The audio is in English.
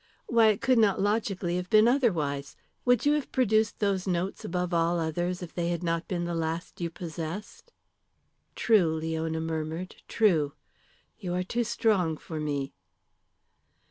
"Why, it could not logically have been otherwise. Would you have produced those notes above all others if they had not been the last you possessed?" "True," Leona murmured, "true. You are too strong for me."